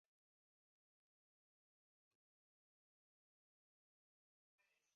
小行星的名字来自古巴比伦传说中的英雄吉尔伽美什。